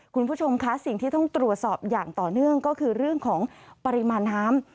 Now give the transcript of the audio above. คุณผู้ชมคะสิ่งที่ต้องตรวจสอบอย่างต่อเนื่องก็คือเรื่องของปริมาณน้ำ